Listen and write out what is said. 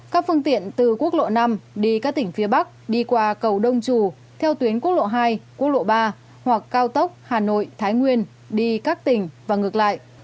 các phương tiện từ quốc lộ năm đi các tỉnh phía bắc đi qua cầu đông trù theo tuyến quốc lộ hai quốc lộ ba hoặc cao tốc hà nội thái nguyên đi các tỉnh và ngược lại